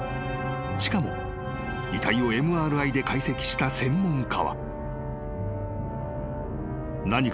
［しかも遺体をＭＲＩで解析した専門家は］